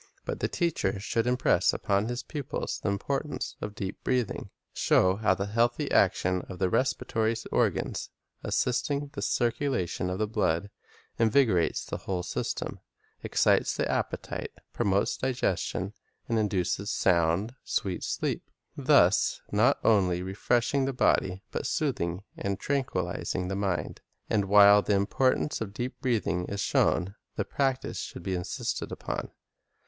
But the teacher should impress upon his pupils the impor tance of deep breathing. Show how the healthy action of the respiratory organs, assisting the circulation of the blood, invigorates the whole system, excites the appe tite, promotes digestion, and induces sound, sweet sleep, 1 Eccl. 3: ii, R V. Study of Physiology 199 thus not only refreshing the body, but soothing and tranquilizing the mind. And while the importance of deep breathing is shown, the practise should be insisted upon.